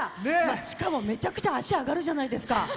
しかも、めちゃくちゃ足上がるじゃないですか。